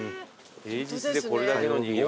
平日でこれだけのにぎわい。